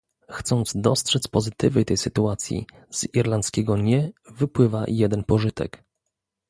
Chcąc dostrzec pozytywy tej sytuacji, z irlandzkiego "nie" wypływa jeden pożytek